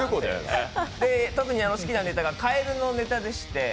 特に好きなネタがカエルのネタでして。